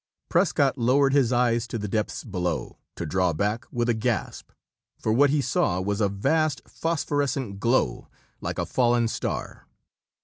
Prescott lowered his eyes to the depths below, to draw back with a gasp for what he saw was a vast phosphorescent glow, like a fallen star.